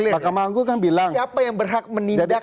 siapa yang berhak menindak